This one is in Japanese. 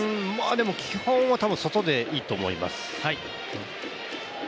でも基本は外でいいと思います。